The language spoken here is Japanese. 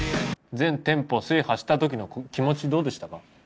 全店舗制覇した時の気持ちどうでしたか？